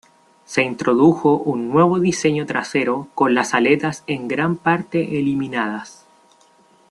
Se introdujo un nuevo diseño trasero con las aletas en gran parte eliminadas.